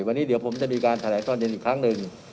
วันนี้เดี๋ยวผมจะมีการแถลงตอนเย็นอีกครั้งหนึ่ง